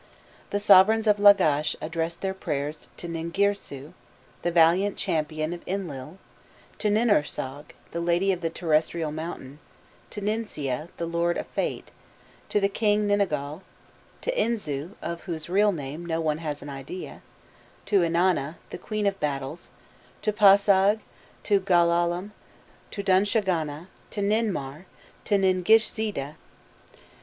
The sovereigns of Lagash addressed their prayers to Ningirsu, the valiant champion of Inlil; to Ninursag, the lady of the terrestrial mountain: to Ninsia, the lord of fate; to the King Ninagal; to Inzu, of whose real name no one has an idea; to Inanna, the queen of battles; to Pasag, to Galalim, to Dunshagana, to Ninmar, to Ningishzida.